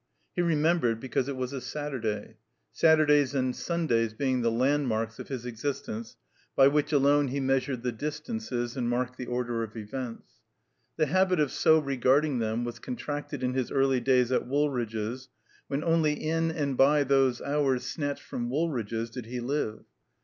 He remembered, because it was a Saturday, Saturdays and Sundays being the landmarks of his existence by which alone he measured the distances and marked the order of events. The habit of so regarding them was contracted in his early days at Woolridge's, when only in and by those hours snatched from Woolridge's did he live.